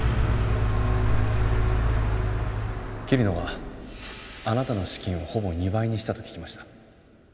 桐野があなたの資金をほぼ２倍にしたと聞きました。